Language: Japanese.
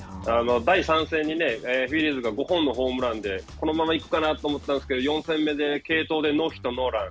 第３戦にフィリーズが５本のホームランでそのまま行くかなと思ったんですけど、４戦目で、継投でノーヒットノーラン。